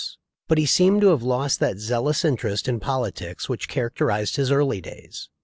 but he seemed to have lost that zealous interest in politics which characterized his earlier days.